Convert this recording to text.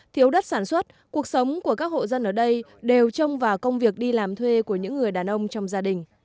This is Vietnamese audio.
thiếu đất sản xuất cuộc sống của các hộ dân ở đây đều trông vào công việc đi làm thuê của những người đàn ông trong gia đình